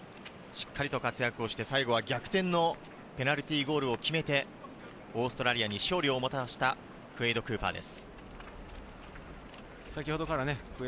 その舞台でしっかりと活躍をして最後は逆転のペナルティーゴールを決めて、オーストラリアに勝利をもたらしたクウェイド・クーパーです。